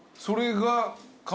それが。